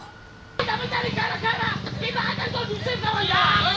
kita mencari gara gara kita akan kondusif sama dia